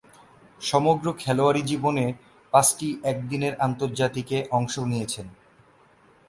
সমগ্র খেলোয়াড়ী জীবনে পাঁচটি একদিনের আন্তর্জাতিকে অংশ নিয়েছেন।